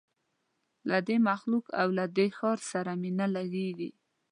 له دې مخلوق او له دې ښار سره مي نه لګیږي